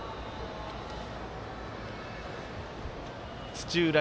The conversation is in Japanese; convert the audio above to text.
土浦